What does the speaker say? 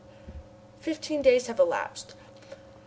Fifteen days have elapsed.